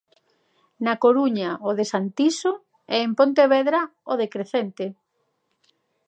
Na Coruña o de Santiso e en Pontevedra o de Crecente.